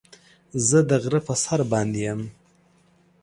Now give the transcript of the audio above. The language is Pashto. زه د غره په سر باندې يم.